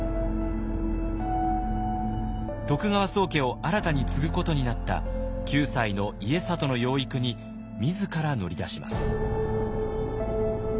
徳川宗家を新たに継ぐことになった９歳の家達の養育に自ら乗り出します。